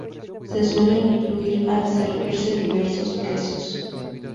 Se suelen incluir al servirse diversos quesos.